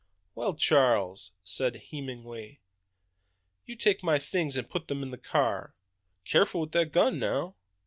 "Well, Charles," said Hemenway, "you take my things and put them in the car. Careful with that gun now!